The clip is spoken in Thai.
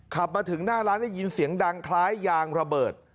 ขับมาถึงหน้าร้านได้ยินเสียงดังคล้ายยางระเบิด